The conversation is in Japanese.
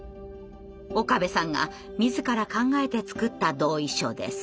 岡部さんが自ら考えて作った同意書です。